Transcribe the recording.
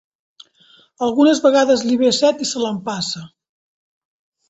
Algunes vegades li ve set i se l'empassa.